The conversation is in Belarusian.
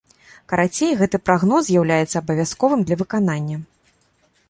Карацей, гэты прагноз з'яўляецца абавязковым для выканання.